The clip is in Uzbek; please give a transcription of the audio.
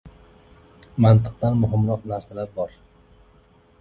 Mantiqdan muhimroq narsalar bor.